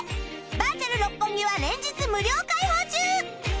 バーチャル六本木は連日無料開放中